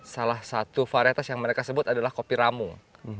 salah satu varietas yang mereka sebut adalah kopi ramung